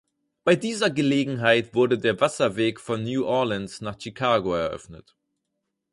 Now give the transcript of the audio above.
Bei dieser Gelegenheit wurde der Wasserweg von New Orleans nach Chicago eröffnet.